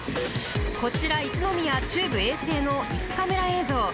こちら、一宮中部衛生のいすカメラ映像。